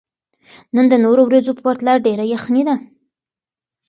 نن د نورو ورځو په پرتله ډېره یخني ده.